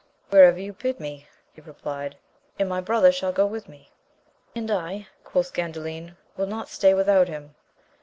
Wherever you bid me, he replied, and my brother shall go with me. And I, quoth Gandalin, will not stay without him.